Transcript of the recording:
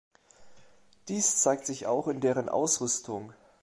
Dies zeigt sich auch in deren Ausrüstung.